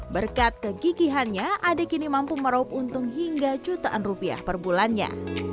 berkat kegigihannya ade kini mampu meraup untung hingga jutaan rupiah per bulannya